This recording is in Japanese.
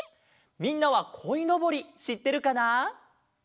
みんなはこいのぼりしってるかな？